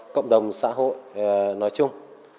cộng đồng xã hội nói chung